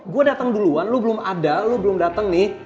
gua dateng duluan lu belum ada lu belum dateng nih